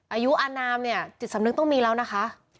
อายุอนามเนี่ยจิตสำนึกต้องมีแล้วนะคะ